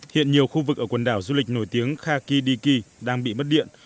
hiện nhiều khu vực ở quần đảo du lịch nổi tiếng khakidiki đang bị mất điện